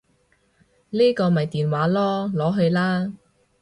呢個咪電話囉，攞去啦